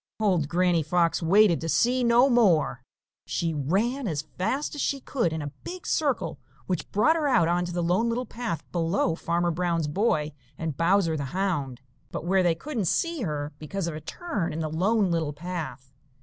Old Granny Fox waited to see no more. She ran as fast as she could in a big circle which brought her out on the Lone Little Path below Farmer Brown's boy and Bowser the Hound, but where they couldn't see her, because of a turn in the Lone Little Path.